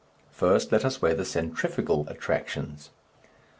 First, let us weigh the centrifugal attractions.